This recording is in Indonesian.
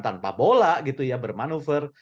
tanpa bola gitu ya bermanuver